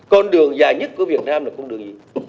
con đường dài nhất của việt nam là con đường gì